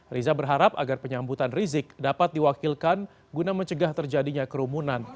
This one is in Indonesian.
riza berharap agar penyambutan rizik dapat diwakilkan guna mencegah terjadinya kerumunan